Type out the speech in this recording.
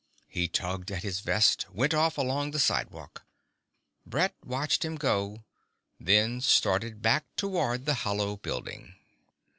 He tugged at his vest, went off along the sidewalk. Brett watched him go, then started back toward the hollow building.